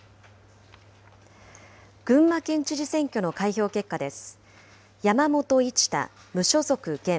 群馬県知事選挙の開票結果です。